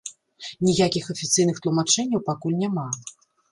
Ніякіх афіцыйных тлумачэнняў пакуль няма.